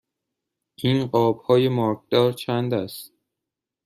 این قاب های مارکدار چند است؟